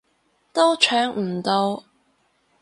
都搶唔到